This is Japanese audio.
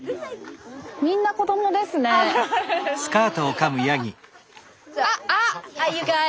みんな子どもですねえ。